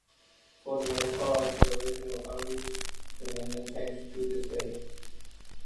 For the most part the original boundaries remain unchanged to this day.